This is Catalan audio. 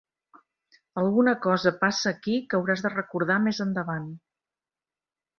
Alguna cosa passa aquí que hauràs de recordar més endavant.